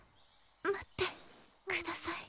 待ってください。